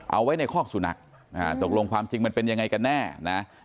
เอาไว้ในคอกสุนัขตกลงความจริงมันเป็นยังไงกันแน่นะ